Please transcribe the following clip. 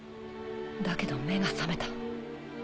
だけど目が覚めた。